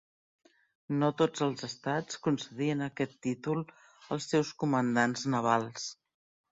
No tots els estats concedien aquest títol als seus comandants navals.